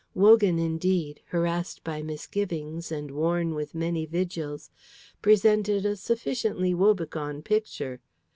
Wogan, indeed, harassed by misgivings, and worn with many vigils, presented a sufficiently woe begone picture.